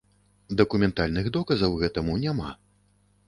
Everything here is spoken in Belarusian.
Дакументальных доказаў гэтаму няма.